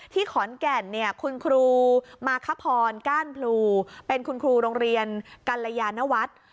ที่ขอนแก่นเนี่ยคุณครูมาคพรก้านพลูเป็นคุณครูโรงเรียนกัลยานวัฒน์